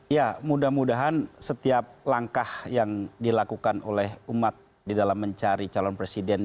ya mudah mudahan setiap langkah yang dilakukan oleh umat di dalam mencari calon presiden